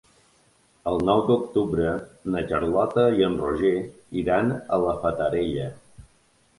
El nou d'octubre na Carlota i en Roger iran a la Fatarella.